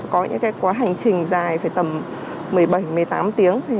có những quá hành trình dài phải tầm một mươi bảy một mươi tám tiếng